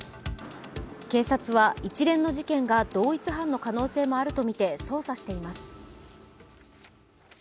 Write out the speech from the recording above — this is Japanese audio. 警察は一連の事件が同一犯の可能性があるとして捜査しています。